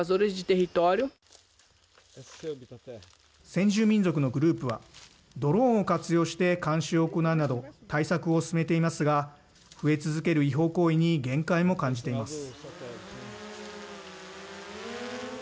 先住民族のグループはドローンを活用して監視を行うなど対策を進めていますが増え続ける違法行為に限界も感じています。